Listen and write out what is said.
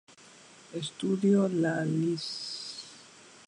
Estudio la Lic.